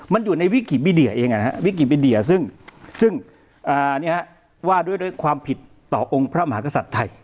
มันอยู่ในวิกิบิเดียเองวิกิบิเดียซึ่งว่าด้วยความผิดต่อองค์พระมหากษัตริย์ไทย